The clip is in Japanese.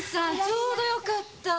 ちょうどどうよかった。